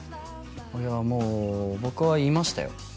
あれはもう僕は言いましたよ